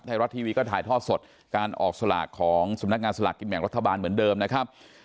ไทยรัฐทีวีก็ถ่ายทอดสดการออกสลากของสำนักงานสลากกินแบ่งรัฐบาลเหมือนเดิมนะครับ